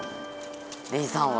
レイさんは？